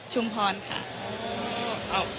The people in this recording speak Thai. ชุมพรค่ะ